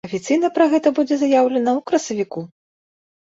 Афіцыйна пра гэта будзе заяўлена ў красавіку.